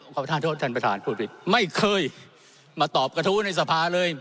ประธานโทษท่านประธานพูดผิดไม่เคยมาตอบกระทู้ในสภาเลย